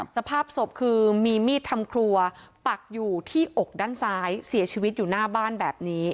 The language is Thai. สภาพศพคือมีมีดทำครัวปักอยู่ที่อกด้านซ้ายเสียชีวิตอยู่หน้าบ้านแบบนี้